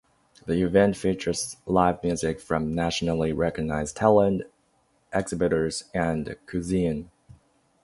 The event features live music from nationally recognized talent, exhibitors, and cuisine.